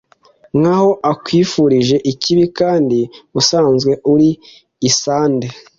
nk’aho akwifurije ikibi kandi usanzwe uri isande